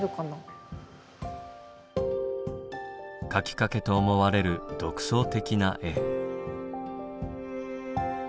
描きかけと思われる独創的な絵。